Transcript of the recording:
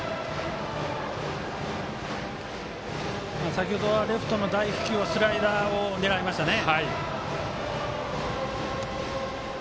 先ほどはレフトの大飛球をスライダーを狙いましたね。